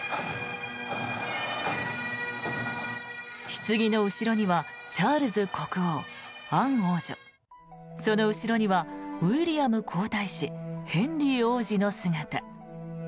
ひつぎの後ろにはチャールズ国王、アン王女その後ろにはウィリアム皇太子ヘンリー王子の姿。